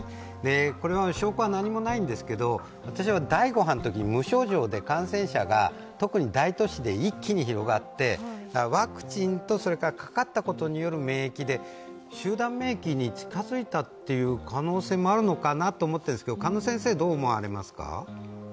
これは証拠は何もないんですけど、第５波のときに無症状で感染者が特に大都市で一気に広がってワクチンとかかったことによる免疫で集団免疫に近づいたという可能性もあるのかなと思ってるんですが鹿野先生はどう思われますか？